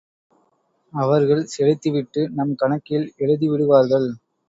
அவர்கள் செலுத்தி விட்டு நம் கணக்கில் எழுதிவிடுவார்கள்.